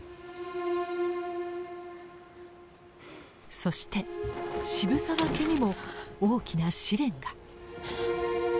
そして渋沢家にも大きな試練が。